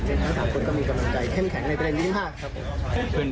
ในทั้ง๓คนก็มีกำลังใจเข้มแข็งในประเด็นที่๕ครับผม